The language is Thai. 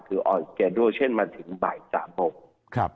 คือออนเก็ดูลเช่นมาถึงบ่ายสามโปรไหว